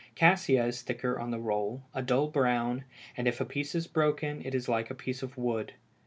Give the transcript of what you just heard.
Cassia is thicker in the roll, a dull brown, and if a piece is broken is like a piece of wood.